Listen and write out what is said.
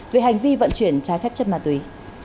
về hành vi vận chuyển trái phép chất ma túy